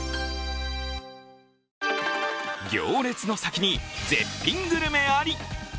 行列の先に絶品グルメあり。